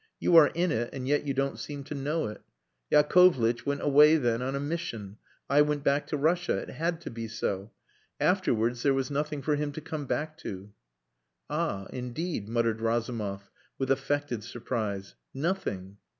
You are in it and yet you don't seem to know it. Yakovlitch went away then on a mission; I went back to Russia. It had to be so. Afterwards there was nothing for him to come back to." "Ah! indeed," muttered Razumov, with affected surprise. "Nothing!"